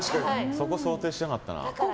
そこ想定してなかったな。